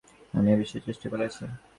আমি এ বিষয়ে চেষ্টা করিয়াছি।